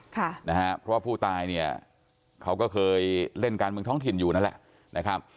เพราะว่าผู้ตายเนี่ยเขาก็เคยเล่นการเมืองท้องถิ่นอยู่นั่นแหละนะครับ